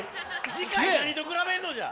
次回、何と比べんのじゃ！